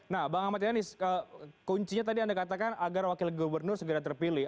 nah bang ahmad yanis kuncinya tadi anda katakan agar wakil gubernur segera terpilih